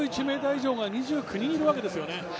２１ｍ以上が２９人いるわけですよね。